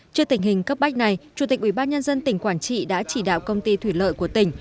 trước tình hình cấp bách này chủ tịch ubnd tỉnh quảng trị đã chỉ đạo công ty thủy lợi của tỉnh